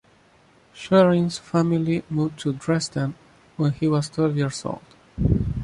Schwerin's family moved to Dresden, when he was twelve years old.